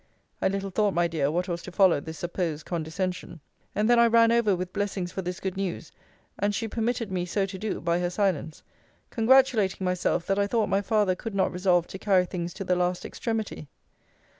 I little thought, my dear, what was to follow this supposed condescension. And then I ran over with blessings for this good news, (and she permitted me so to do, by her silence); congratulating myself, that I thought my father could not resolve to carry things to the last extremity.